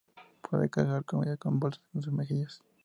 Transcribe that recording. Puede cargar comida en bolsas en sus mejillas.